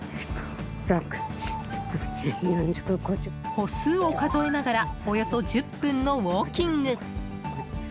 歩数を数えながらおよそ１０分のウォーキング。